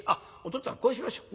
っつぁんこうしましょう。